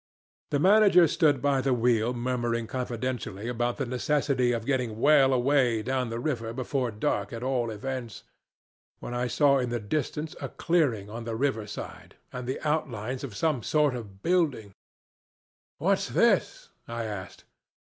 "The manager stood by the wheel murmuring confidentially about the necessity of getting well away down the river before dark at all events, when I saw in the distance a clearing on the river side and the outlines of some sort of building. 'What's this?' I asked.